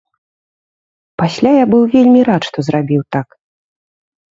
Пасля я быў вельмі рад, што зрабіў так.